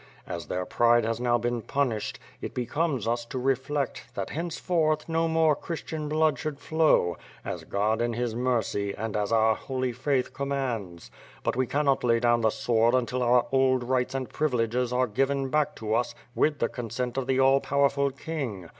As their pride has now been punished, it becomes us to reflect, that henceforth, no more Christian blood should flow, as God, in his mercy, and as our holy faith commands. But we cannot lay down the sword imtil our old rights and privileges are given back to us, with the consent of the all powerful king.